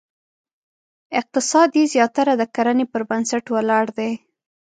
اقتصاد یې زیاتره د کرنې پر بنسټ ولاړ دی.